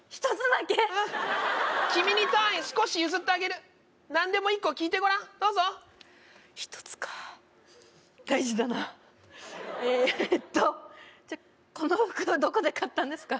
うん君にターン少し譲ってあげる何でも１個聞いてごらんどうぞ１つか大事だなえーっとじゃこの服はどこで買ったんですか？